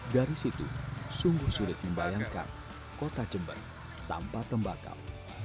dari situ sungguh sulit membayangkan kota jember tanpa tembakau